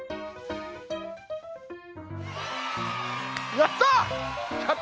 やった！